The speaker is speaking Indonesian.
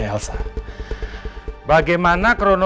pak riki apa yang kamu merayu marilah